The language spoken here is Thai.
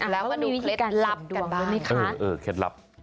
แล้วก็มีเคล็ดลับกันด้วยไหมคะเออเออเคล็ดลับ